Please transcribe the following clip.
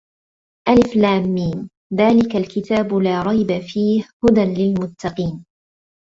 الم، ذَٰلِكَ الْكِتَابُ لَا رَيْبَ ۛ فِيهِ ۛ هُدًى لِّلْمُتَّقِين